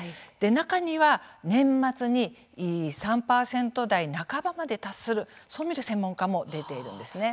中には年末に３％台半ばまで達するそう見る専門家も出ているんですね。